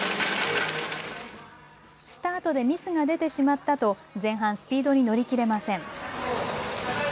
スタートでミスが出てしまったと前半スピードに乗り切れません。